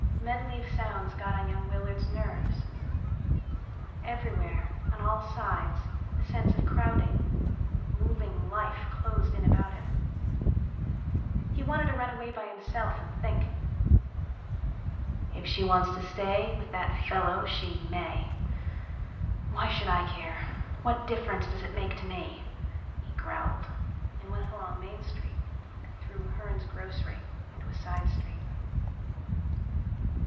The medley of sounds got on young Willard's nerves. Everywhere, on all sides, the sense of crowding, moving life closed in about him. He wanted to run away by himself and think. "If she wants to stay with that fellow she may. Why should I care? What difference does it make to me?" he growled and went along Main Street and through Hern's Grocery into a side street.